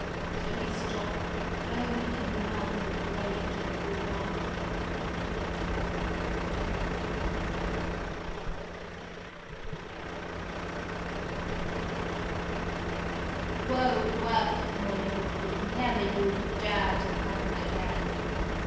So he stopped, foam ing at the mouth with rage and called after her : "Woe worth you, Molly Whuppie ! Never you dare to come again